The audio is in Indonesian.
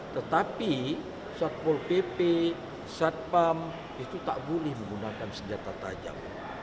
tetapi satpol pp satpam itu tak boleh menggunakan senjata tajam